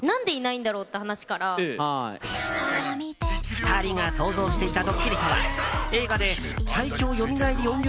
２人が想像していたドッキリとは映画で最凶蘇り怨霊